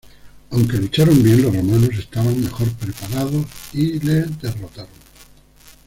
Aunque lucharon bien, los romanos estaban mejor preparados y les derrotaron.